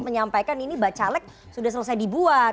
menyampaikan ini pak caleg sudah selesai dibuat